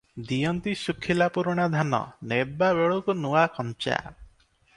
ଦିଅନ୍ତି ଶୁଖିଲା ପୁରୁଣା ଧାନ, ନେବା ବେଳକୁ ନୂଆ କଞ୍ଚା ।